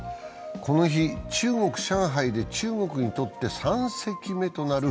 この日中国、上海で中国にとって３隻目となる。